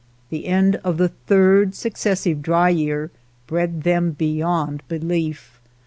The end of the third successive dry year bred them beyond belief.